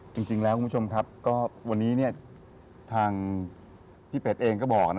จริงแล้วคุณผู้ชมครับก็วันนี้ทางพี่เป็ดเองก็บอกนะ